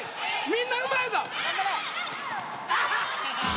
みんなうまいぞ！